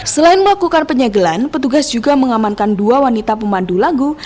selain melakukan penyegelan petugas juga mengamankan dua wanita pemandu lagu